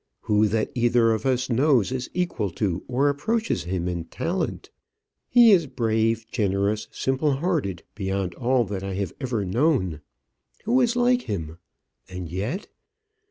Who that either of us knows is equal to or approaches him in talent? He is brave, generous, simple hearted beyond all that I have ever known. Who is like him? And yet